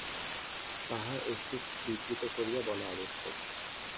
তাহা একটু বিবৃত করিয়া বলা আবশ্যক।